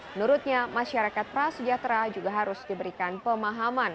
menurutnya masyarakat prasejahtera juga harus diberikan pemahaman